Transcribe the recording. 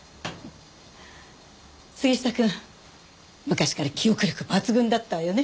昔から記憶力抜群だったわよね。